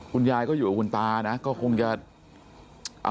คุณยายก็อยู่กับคุณตานะก็คงจะ